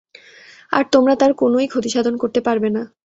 আর তোমরা তার কোনই ক্ষতিসাধন করতে পারবে না।